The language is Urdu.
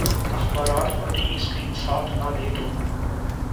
اخبارات اور ٹی وی سکرین ساتھ نہ دے تو